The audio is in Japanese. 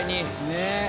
ねえ。